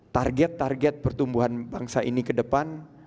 target target pertumbuhan bangsa ini ke depan